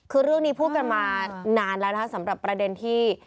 คือเรื่องนี้พูดกันมานานแล้วนะคะสำหรับประเด็นที่